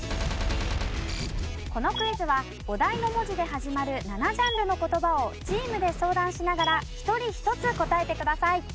このクイズはお題の文字で始まる７ジャンルの言葉をチームで相談しながら１人１つ答えてください。